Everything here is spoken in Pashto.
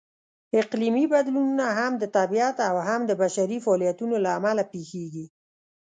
اقلیمي بدلونونه هم د طبیعت او هم د بشري فعالیتونو لهامله پېښېږي.